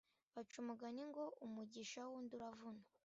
Baca umugani ngo umugisha wundi uravuna